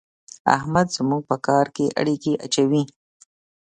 احمد زموږ په کار کې اړېکی اچوي.